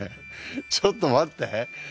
ちょっと待って。